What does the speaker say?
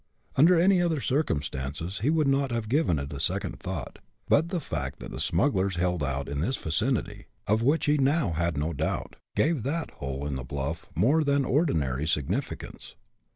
Under any other circumstances he would not have given it a second thought, but the fact that the smugglers held out in this vicinity of which he now had no doubt gave that hole in the bluff more than ordinary significance.